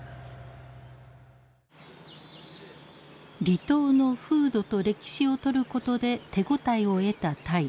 離島の風土と歴史を撮ることで手応えを得た平良。